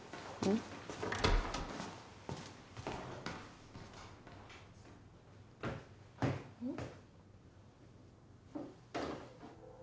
うん？